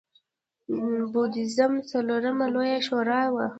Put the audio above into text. د بودیزم څلورمه لویه شورا وه